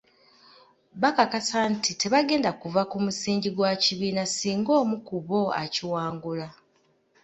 Bakakasa nti tebagenda kuva ku musingi gwa kibiina singa omu ku bo akiwangula.